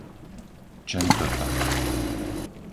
Čentöfa